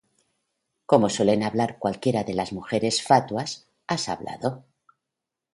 Como suele hablar cualquiera de las mujeres fatuas, has hablado.